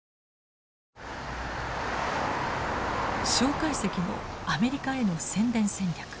介石のアメリカへの宣伝戦略。